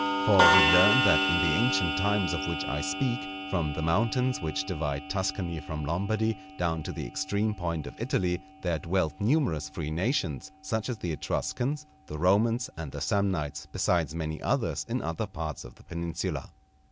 For we learn that in the ancient times of which I speak, from the mountains which divide Tuscany from Lombardy down to the extreme point of Italy, there dwelt numerous free nations, such as the Etruscans, the Romans, and the Samnites, besides many others in other parts of the Peninsula.